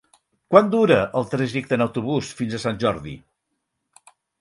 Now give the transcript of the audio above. Quant dura el trajecte en autobús fins a Sant Jordi?